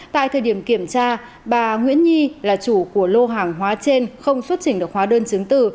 tại thời điểm kiểm tra bà nguyễn nhi là chủ của lô hàng hóa trên không xuất trình được hóa đơn chứng từ